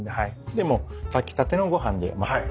でもう炊きたてのご飯に混ぜて。